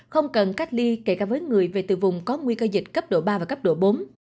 không cần cách ly kể cả với người về từ vùng có nguy cơ dịch cấp độ ba và cấp độ bốn